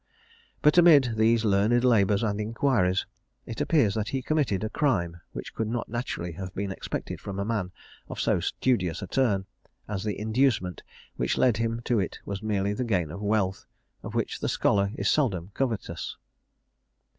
But, amid these learned labours and inquiries, it appears that he committed a crime which could not naturally have been expected from a man of so studious a turn, as the inducement which led him to it was merely the gain of wealth, of which the scholar is seldom covetous.